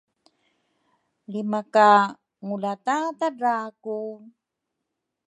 lri maka ngulatatadra ku?